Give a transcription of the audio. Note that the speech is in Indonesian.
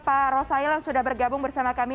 pak rosail yang sudah bergabung bersama kami